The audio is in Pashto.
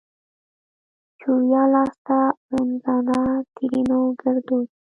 چوریا لاسته اونزنا؛ ترينو ګړدود